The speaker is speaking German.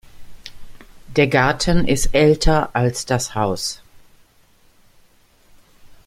Der Garten ist älter als das Haus.